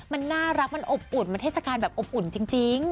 มันน่ารักมันอบอุ่นมันเทศกาลแบบอบอุ่นจริง